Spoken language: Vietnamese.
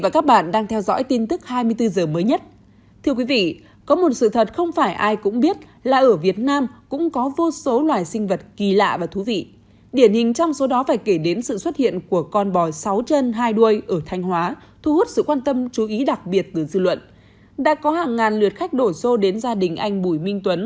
các bạn hãy đăng ký kênh để ủng hộ kênh của chúng mình nhé